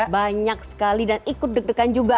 banyak sekali dan ikut deg degan juga